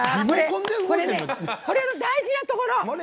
これの大事なところ。